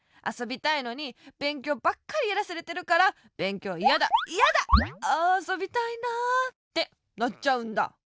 あそびたいのにべんきょうばっかりやらされてるから「べんきょういやだいやだ！ああそびたいなあ」ってなっちゃうんだ。